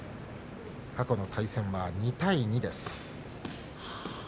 過去の対戦は２対２です。